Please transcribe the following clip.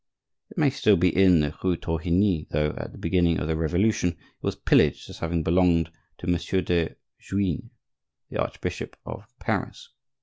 It may still be seen in the rue Thorigny, though at the beginning of the Revolution it was pillaged as having belonged to Monsieur de Juigne, the archbishop of Paris.